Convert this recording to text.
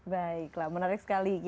baiklah menarik sekali